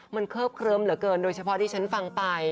มันเคิบเคลิ้มเหลือเกินโดยเฉพาะที่ฉันฟังไป